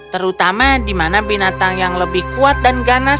terutama di mana binatang yang lebih kuat dan ganas